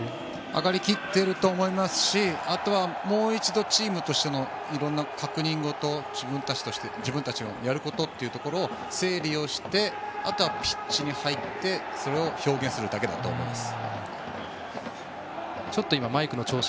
上がりきっていると思いますしあとはもう一度チームとしてのいろいろな確認ごと自分たちのやることを整理してピッチに入って、それを表現するだけだと思います。